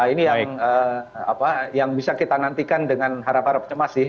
ini yang bisa kita nantikan dengan harapan harap cemas sih